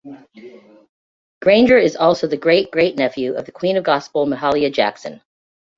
Granger is also the great-great-nephew of the "Queen of Gospel", Mahalia Jackson.